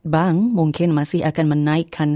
bank mungkin masih akan menaikkan